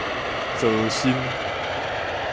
慒心